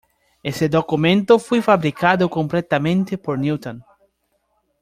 Ese documento fue fabricado completamente por Newton.